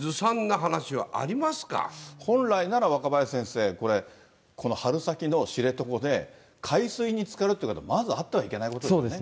本来なら、若林先生、これ、この春先の知床で、海水につかるということはまずあってはいけないことですよね。